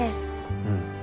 うん。